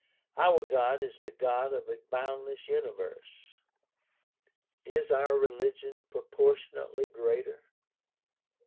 Our God is the God of a boundless universe. Is our religion proportionately greater